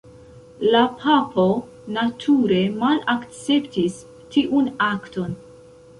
La papo nature malakceptis tiun akton.